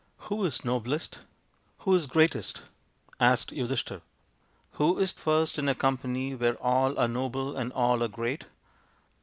" Who is noblest ? Who is greatest ?" asked Yudhishthir. " Who is first in a company where all are noble and all are great